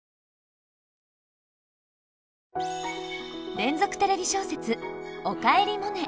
連続テレビ小説「おかえりモネ」。